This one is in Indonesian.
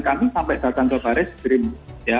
kami sampai datang ke baris krim ya